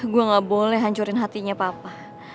gue gak boleh hancurin hatinya papa